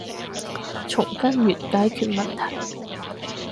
從根源解決問題